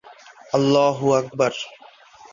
ইংরেজদের সাথে তাদের পরবর্তীকালে গেরিলা যুদ্ধ হয়েছিল।